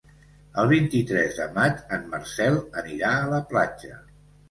El vint-i-tres de maig en Marcel anirà a la platja.